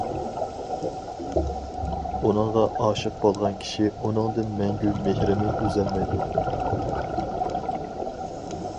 ئۇنىڭغا ئاشىق بولغان كىشى ئۇنىڭدىن مەڭگۈ مېھرىنى ئۈزەلمەيدۇ.